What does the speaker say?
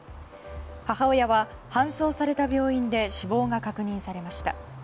母親は、搬送された病院で死亡が確認されました。